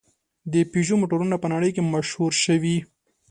د پيژو موټرونه په نړۍ کې مشهور شوي.